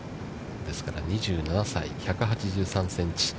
ですから、２７歳、１８３センチ。